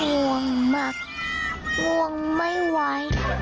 ห่วงมากห่วงไม่ไหว